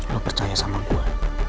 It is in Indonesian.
lo percaya sama gue